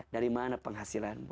dari mana penghasilanmu